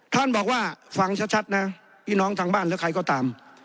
ท่านบอกว่าฟังชัดนะพี่น้องทางบ้านหรือใครก็ตาม